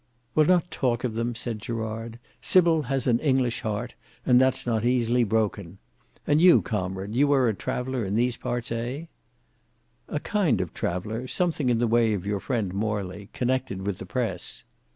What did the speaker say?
"We'll not talk of them," said Gerard. "Sybil has an English heart, and that's not easily broken. And you, comrade, you are a traveller in these parts, eh?" "A kind of traveller; something in the way of your friend Morley—connected with the press."